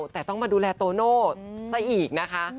แต่ต้องมาดูแลโตโน่ซะอีกนะคะ